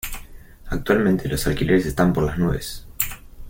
Actualmente los alquileres están por las nubes.